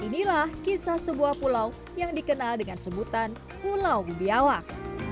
inilah kisah sebuah pulau yang dikenal dengan sebutan pulau biawak